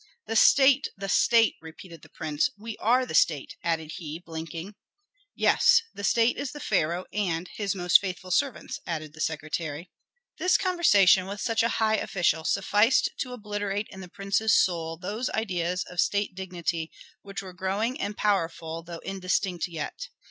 "The state! the state!" repeated the prince. "We are the state," added he, blinking. "Yes, the state is the pharaoh and his most faithful servants," added the secretary. This conversation with such a high official sufficed to obliterate in the prince's soul those ideas of state dignity which were growing and powerful, though indistinct yet.